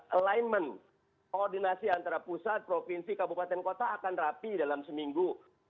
alignment koordinasi antara pusat provinsi kabupaten kota akan rapi dalam seminggu